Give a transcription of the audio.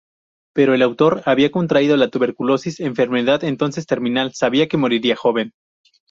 Pero el autor había contraído la tuberculosis, enfermedad entonces terminal: sabía que moriría joven.